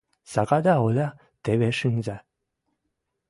Сагада Оля теве шӹнзӓ —